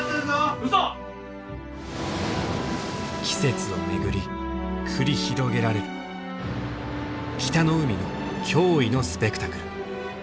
季節を巡り繰り広げられる北の海の驚異のスペクタクル。